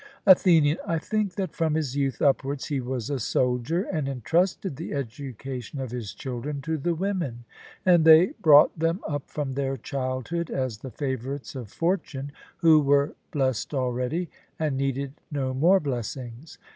ATHENIAN: I think that from his youth upwards he was a soldier, and entrusted the education of his children to the women; and they brought them up from their childhood as the favourites of fortune, who were blessed already, and needed no more blessings.